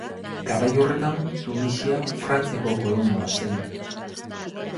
Garai horretan Tunisia Frantziako kolonia bat zen.